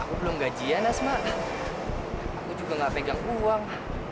aku belum gajian asma aku juga gak pegang uang